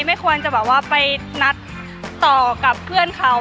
ไม่ควรจะไปนัดต่อกับเพื่อนเขา